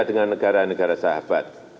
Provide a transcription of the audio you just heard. dengan negara negara sahabat